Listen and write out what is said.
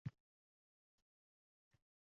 Oshnam sannab-sannab